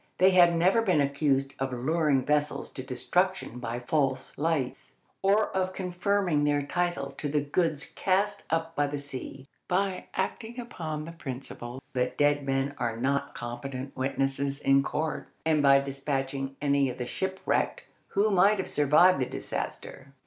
They have never been accused of luring vessels to destruction by false lights, or of confirming their title to the goods cast up by the sea by acting upon the principle that dead men are not competent witnesses in court, and by despatching any of the shipwrecked who might have survived the disaster.